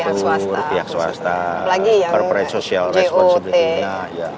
pertama pihak swasta perperan social responsibilitinya